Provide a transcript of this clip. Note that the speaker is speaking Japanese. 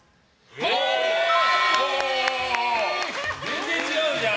全然違うじゃん。